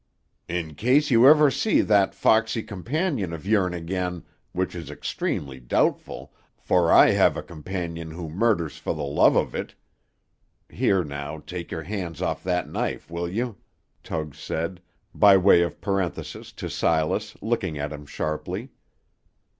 "In case you ever see that foxy companion of yourn again, which is extremely doubtful, for I have a companion who murders for the love of it (Here, now, take your hand off that knife, will you," Tug said, by way of parenthesis to Silas, looking at him sharply.